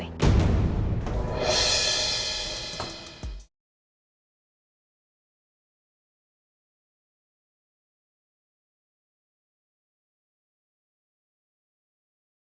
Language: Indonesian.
terima kasih om alex